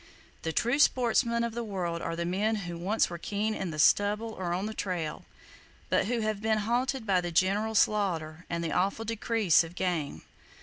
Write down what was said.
The true sportsmen of the world are the men who once were keen in the stubble or on the trail, but who have been halted by the general slaughter and the awful decrease of game.